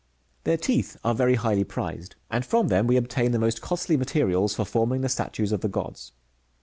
^ Their teeth are very highly prized, and from them we ob tain the most costly materials for forming the statues of the gods.